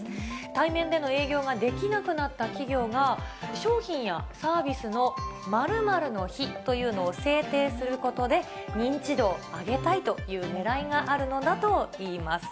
対面での営業ができなくなった企業が、商品やサービスの○○の日というのを制定することで、認知度を上げたいというねらいがあるのだといいます。